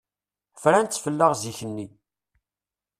Fran-tt fell-aɣ zik-nni.